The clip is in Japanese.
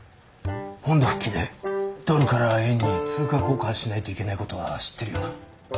本土復帰でドルから円に通貨交換しないといけないことは知ってるよな。